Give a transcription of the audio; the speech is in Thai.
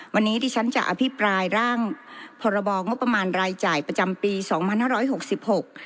วันนี้ที่ฉันจะอภิปรายร่างพรบงบประมาณรายจ่ายประจำปีสองพันห้าร้อยหกสิบหก